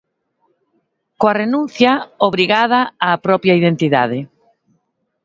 Coa renuncia, obrigada, á propia identidade.